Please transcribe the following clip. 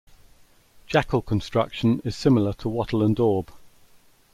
Jacal construction is similar to wattle and daub.